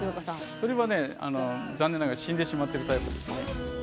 それは残念ながら死んでしまっているタイプです。